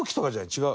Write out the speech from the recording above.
違う？